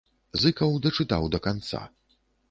Зыкаў дачытаў да канца.